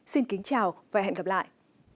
xin kính chào và hẹn gặp lại